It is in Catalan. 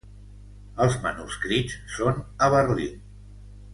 Els manuscrits són a Berlín.